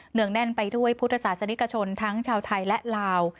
งแน่นไปด้วยพุทธศาสนิกชนทั้งชาวไทยและลาว